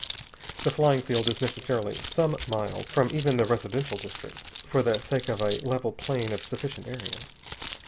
The flying field is necessarily some miles from even the residential districts, for the sake of a level plain of sufficient area.